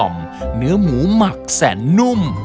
เนื้อหมูหมักแสนนุ่ม